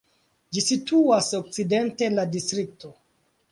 Ĝi situas okcidente en la distrikto.